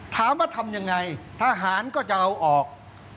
ถามว่าทำยังไงทหารก็จะเอาออก